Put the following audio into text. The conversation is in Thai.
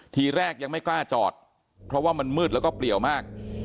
ทีแรกยังไม่กล้าจอดเพราะว่ามันมืดแล้วก็เปลี่ยวมาก